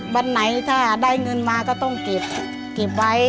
วันไหนถ้าได้เงินมาก็ต้องเก็บไว้